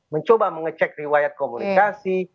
mencoba mengecek riwayat komunikasi